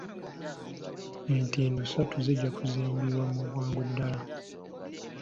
Entindo ssatu zijja kuzimbibwa mu bwangu ddala.